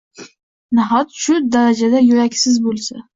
Naxot, shu darajada yuraksiz bo`lsa